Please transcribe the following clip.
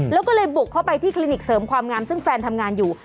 แล้วก็เลยบุกเข้าไปที่คลินิกเสริมความงามซึ่งแฟนทำงานอยู่